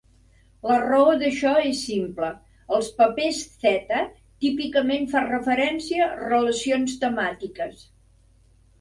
La raó d'això és simple: els paper theta típicament fa referència a relacions temàtiques.